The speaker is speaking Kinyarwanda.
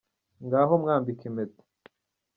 Ngaho mwambike impeta.